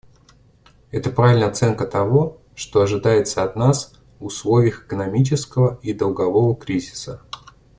Это правильная оценка того, что ожидается от нас условиях экономического и долгового кризиса.